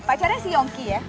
pacarnya si yongki ya